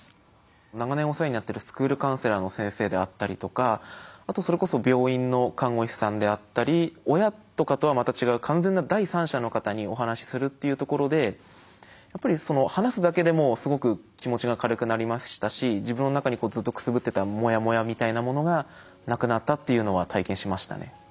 長年お世話になってるスクールカウンセラーの先生であったりとかあとそれこそ病院の看護師さんであったり親とかとはまた違う完全な第三者の方にお話しするっていうところでやっぱり話すだけでもすごく気持ちが軽くなりましたし自分の中にずっとくすぶってたモヤモヤみたいなものがなくなったっていうのは体験しましたね。